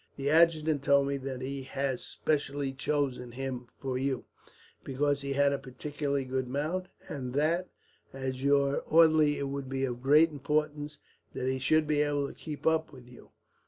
The adjutant told me that he has specially chosen him for you, because he had a particularly good mount, and that as your orderly it would be of great importance that he should be able to keep up with you.